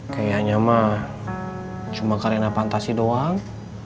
kayaknya mah cuma karena fantasi doang